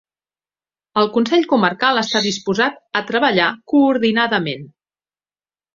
El Consell Comarcal està disposat a treballar coordinadament.